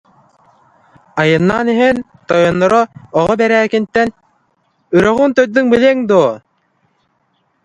Айаннаан иһэн, тойонноро Оҕо Бэрээкинтэн: «Үрэҕиҥ төрдүн билиэҥ дуо